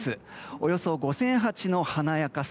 およそ５０００鉢の華やかさ。